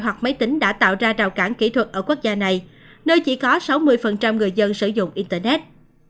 hoặc máy tính đã tạo ra rào cản kỹ thuật ở quốc gia này nơi chỉ có sáu mươi người dân sử dụng internet